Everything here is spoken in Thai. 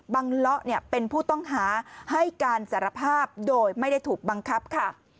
เลาะเป็นผู้ต้องหาให้การสารภาพโดยไม่ได้ถูกบังคับค่ะ